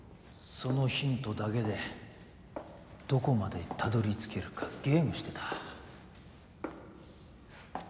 そのヒントだけでどこまでたどりつけるかゲームしてた。